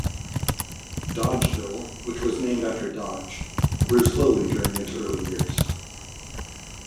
Dodgeville, which was named after Dodge, grew slowly during its early years.